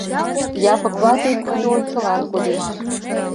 Япык вате кудо ончылан кодеш.